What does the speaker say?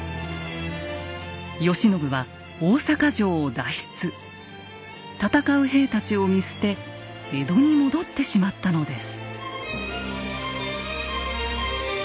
慶喜は戦う兵たちを見捨て江戸に戻ってしまったのです。